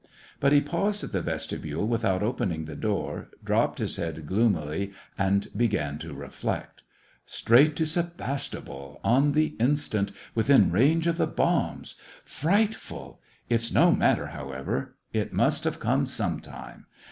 But he paused in the vestibule without opening the door, dropped his head gloomily, and began to reflect. " Straight to Sevastopol, on the instant, within range of the bombs — frightful! It's no matter, SEVASTOPOL IN AUGUST, i^q however ; it must have come sometime.